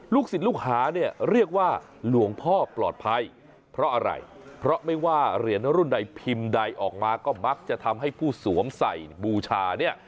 ศิลปลูกหาเนี่ยเรียกว่าหลวงพ่อปลอดภัยเพราะอะไรเพราะไม่ว่าเหรียญรุ่นใดพิมพ์ใดออกมาก็มักจะทำให้ผู้สวมใส่บูชาเนี่ย